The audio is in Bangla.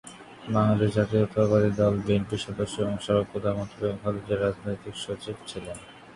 বাংলাদেশ জাতীয়তাবাদী দল-বিএনপির সদস্য এবং সাবেক প্রধানমন্ত্রী বেগম খালেদা জিয়ার রাজনৈতিক সচিব ছিলেন।